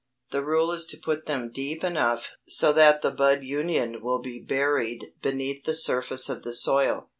The rule is to put them deep enough so that the bud union will be buried beneath the surface of the soil.